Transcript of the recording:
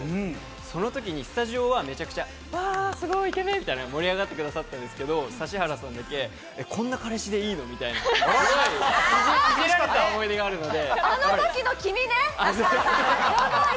その時にスタジオはめちゃくちゃ、わぁすごいイケメンみたいな盛り上がってくださったんですが、指原さんだけこんな彼氏でいいの？みたいないじられた思い出があるので。